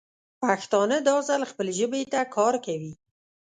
پښتانه دا ځل خپلې ژبې ته کار کوي.